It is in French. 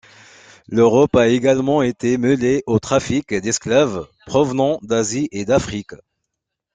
L'Europe a également été mêlée au trafic d'esclaves, provenant d'Asie et d'Afrique.